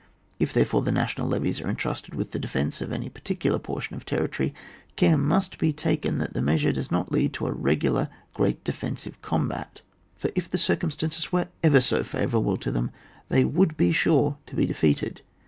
If, therefore, the national levies are en trusted with the defence of any particular portion of territory, care must be taken that the measure does not lead to a regu lar great defensive combat ; for if the circumstances were ever so favourable to them, they would be sure to be defeated.